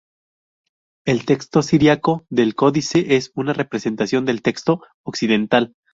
El texto siríaco del códice es una representación del texto occidental.